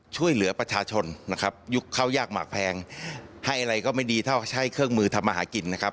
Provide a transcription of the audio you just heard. ช่วยเหลือประชาชนนะครับยุคเข้ายากหมากแพงให้อะไรก็ไม่ดีเท่าใช้เครื่องมือทำมาหากินนะครับ